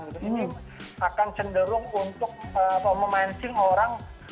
ini akan cenderung untuk memancing orang